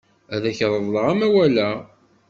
Ad ak-reḍleɣ amawal-a.